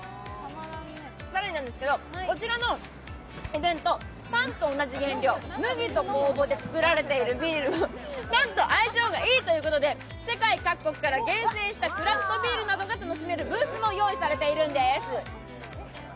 更に、こちらのイベント、パンと同じ原料、麦と酵母で造られているビール、パンと相性がいいということで世界各国から厳選したクラフトビールなどが楽しめるブースも用意されているんです。